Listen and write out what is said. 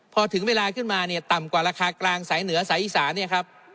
พอถึงเวลาขึ้นมาเนี่ยต่ำกว่าราคากลางสายเหนือสายอีสานเนี่ยครับ